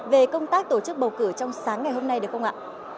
về công tác tổ chức bầu cử trong sáng ngày hôm nay được không ạ